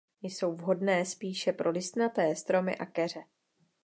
Jsou vhodné spíše pro listnaté stromy a keře.